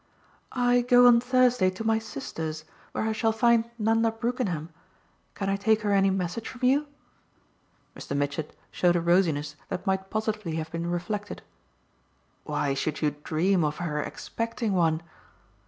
"I go on Thursday to my sister's, where I shall find Nanda Brookenham. Can I take her any message from you?" Mr. Mitchett showed a rosiness that might positively have been reflected. "Why should you dream of her expecting one?"